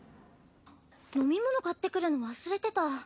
飲み物買ってくるの忘れてた。